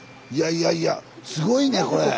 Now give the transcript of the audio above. いやいやすごいねこれ。